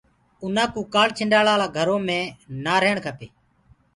اُنآ ڪوُ ڪآنڇنڊآݪآ ݪآ گھرو مي نآ رهيڻ کپي۔